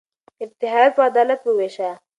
افتخارات په عدالت ووېشه.